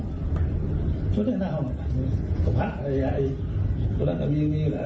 ไม่ใช่แน่ศักดิ์ภาคไอ้ตัวนั้นมีอะไรไอ้เอา